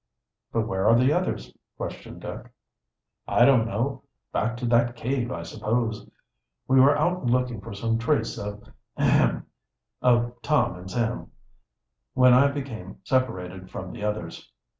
"But where are the others?" questioned Dick. "I don't know back to that cave, I suppose. We were out looking for some trace of ahem of Tom and Sam, when I became separated from the others.